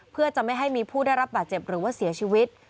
เพื่อจะไม่ให้มีผู้ได้รับบาดเจ็บหรือว่าเสียชีวิต